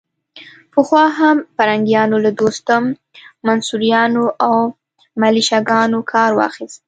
پخوا هم پرنګیانو له دوستم، منصوریانو او ملیشه ګانو کار واخيست.